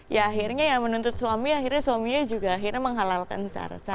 ya akhirnya yang menuntut suami akhirnya suaminya juga akhirnya menghalalkan secara secara